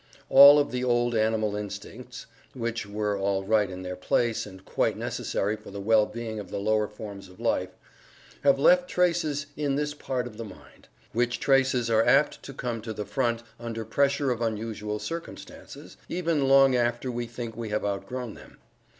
All of the old animal instincts (which were all right in their place, and quite necessary for the well being of the lower forms of life) have left traces in this part of the mind, which traces are apt to come to the front under pressure of unusual circumstances, even long after we think we have outgrown them.